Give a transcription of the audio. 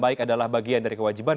baik adalah bagian dari kewajiban